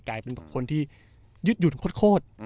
กลายเป็นคนที่ยืดหยุ่นโคตร